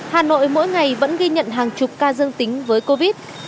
hà nội mỗi ngày vẫn ghi nhận hàng chục ca dương tính với covid